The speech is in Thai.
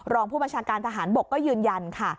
รองผู้บัญชาการทหารบกก็ยืนยันค่ะ